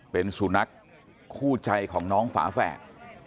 เป็นสุนัขคู่ใจของน้องฝาแฝด